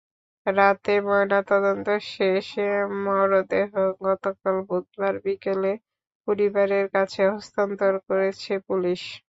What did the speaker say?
রাতে ময়নাতদন্ত শেষে মরদেহ গতকাল বুধবার বিকেলে পরিবারের কাছে হস্তান্তর করেছে পুলিশ।